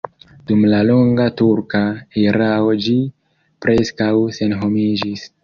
Dum la longa turka erao ĝi preskaŭ senhomiĝis.